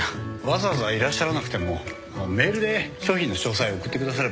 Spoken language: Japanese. わざわざいらっしゃらなくてもメールで商品の詳細送ってくだされば結構ですよ。